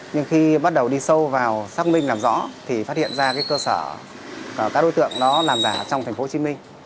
nhưng khi bắt đầu đi sâu vào xác minh làm rõ thì phát hiện ra cái cơ sở các đối tượng đó làm giả trong thành phố hồ chí minh